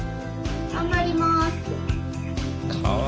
頑張ります。